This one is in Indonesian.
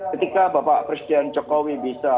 ketika bapak presiden jokowi bisa